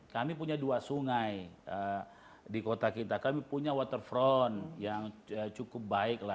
kami punya dua sungai di kota kita kami punya waterfront yang cukup baik lah